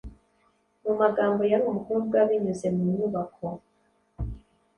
Mu magambo yari Umukobwa Binyuze mu nyubako